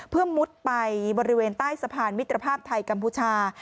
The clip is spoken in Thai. เพื่อมุดไปบริเวณใต้สะพานมิตรภาพไทยกัมพูชา